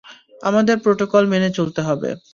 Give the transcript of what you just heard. আমাদের প্রটোকল মেনে চলতে হবে।